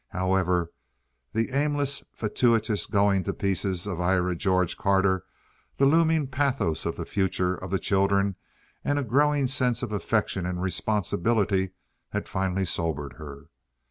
However, the aimless, fatuous going to pieces of Ira George Carter, the looming pathos of the future of the children, and a growing sense of affection and responsibility had finally sobered her.